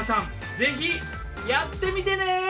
ぜひやってみてね！